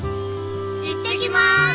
行ってきます！